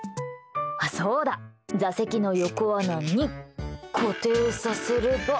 そうだ、座席の横穴に固定させれば。